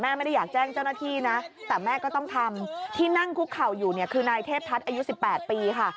ไม่ได้อยากแจ้งเจ้าหน้าที่นะแต่แม่ก็ต้องทำที่นั่งคุกเข่าอยู่เนี่ยคือนายเทพพัฒน์อายุ๑๘ปีค่ะ